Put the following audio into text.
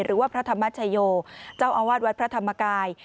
หรือว่าพระธรรมชโยเจ้าอาวาสวัดพระธรรมกาย